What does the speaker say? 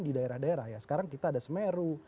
di daerah daerah ya sekarang kita ada semeru